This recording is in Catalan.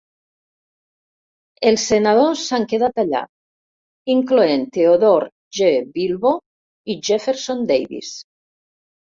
Els senadors s'han quedat allà, incloent Theodore G. Bilbo i Jefferson Davis.